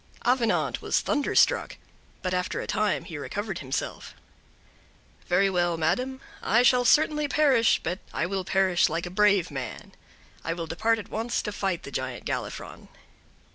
Avenant was thunderstruck; but after a time he recovered himself. "Very well, madam, I shall certainly perish, but I will perish like a brave man. I will depart at once to fight the Giant Galifron."